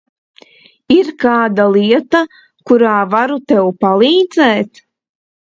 Ir kāda lieta, kurā varu tev palīdzēt?